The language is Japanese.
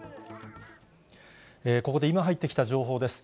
ここで今入ってきた情報です。